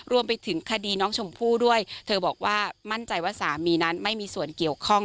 รวมไปถึงคดีน้องชมพู่ด้วยเธอบอกว่ามั่นใจว่าสามีนั้นไม่มีส่วนเกี่ยวข้อง